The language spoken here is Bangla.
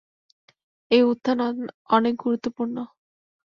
এই উত্থান অনেক গুরুত্বপূর্ণ।